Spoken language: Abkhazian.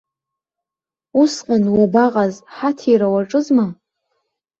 Усҟан уабаҟаз, ҳаҭира уаҿызма?